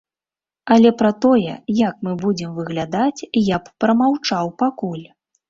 Але пра тое, як мы будзем выглядаць, я б прамаўчаў пакуль!